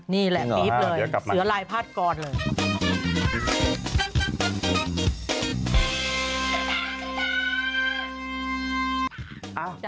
นี่แหละปี๊บเลยเสือลายพาดกรหมดเลยเดี๋ยวกลับมา